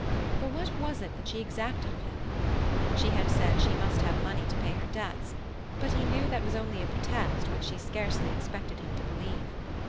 For what was it that she exacted of him? She had said she must have money to pay her debts; but he knew that was only a pre text which she scarcely expected him to believe.